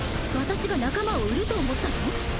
私が仲間を売ると思ったの？